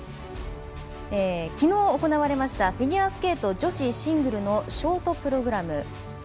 きのう、行われましたフィギュアスケート女子シングルのショートプログラム。